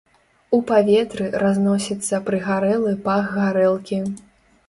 У паветры разносіцца прыгарэлы пах гарэлкі.